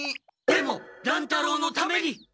でも乱太郎のために！